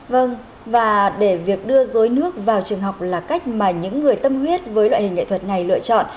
vâng và để việc đưa dối nước vào trường học là cách mà những người tâm huyết với loại hình nghệ thuật này lựa chọn